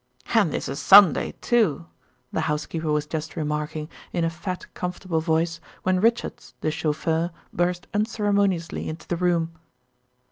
"And this a Sunday too," the housekeeper was just remarking, in a fat, comfortable voice, when Richards, the chauffeur, burst unceremoniously into the room.